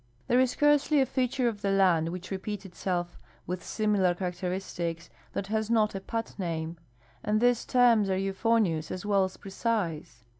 There is scarcely a feature of the land which repeats itself with similar characteristics that has not a pat name ; and these terms are euphonious as well as precise.